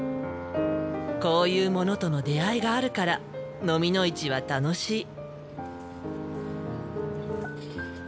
こういうものとの出会いがあるからのみの市は楽しい。